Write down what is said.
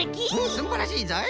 すんばらしいぞい。